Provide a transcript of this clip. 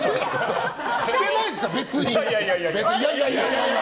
してないですから、別に。